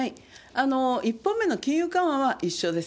１本目の金融緩和は一緒です。